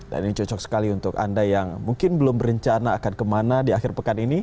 dan ini cocok sekali untuk anda yang mungkin belum berencana akan kemana di akhir pekan ini